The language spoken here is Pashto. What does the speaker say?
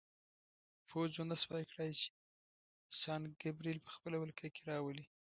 پوځ ونه شوای کړای چې سان ګبریل په خپله ولکه کې راولي.